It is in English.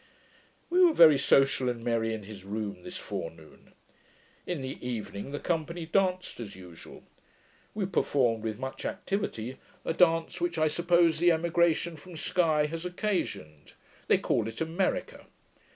We were very social and merry in his room this forenoon. In the evening the company danced as usual. We performed, with much activity, a dance which, I suppose, the emigration from Sky has occasioned. They call it 'America'.